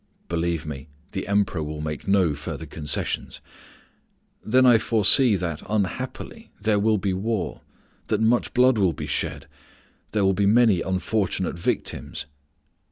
"Believe me, the Emperor will make no further concessions." "Then I foresee that, unhappily, there will be war, that much blood will be shed, there will be many unfortunate victims."